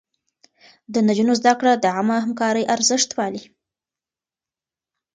د نجونو زده کړه د عامه همکارۍ ارزښت پالي.